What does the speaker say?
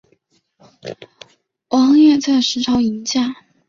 王掞在石槽迎驾。